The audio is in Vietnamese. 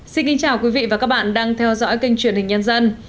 xin kính chào quý vị và các bạn đang theo dõi kênh truyền hình nhân dân